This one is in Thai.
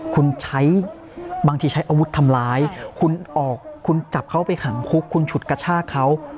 คุณใช้บางทีใช้อาวุธทำร้ายคุณออกคุณจับเขาไปขังคุกคุณฉุดกระชากเขา